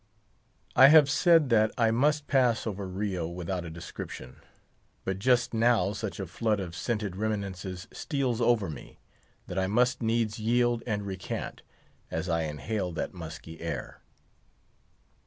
I have said that I must pass over Rio without a description; but just now such a flood of scented reminiscences steals over me, that I must needs yield and recant, as I inhale that musky air.